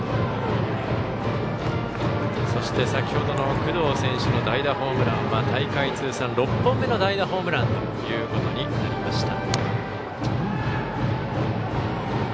そして、先ほどの工藤選手の代打ホームランは大会通算６本目の代打ホームランとなりました。